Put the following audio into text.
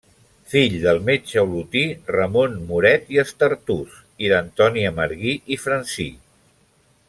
Fill del metge olotí Ramon Moret i Estartús i d'Antònia Marguí i Francí.